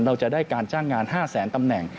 เราจะได้การจ้างงาน๕แสนตำแหน่ง